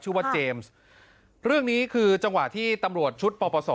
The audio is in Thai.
ว่าเจมส์เรื่องนี้คือจังหวะที่ตำรวจชุดปปศ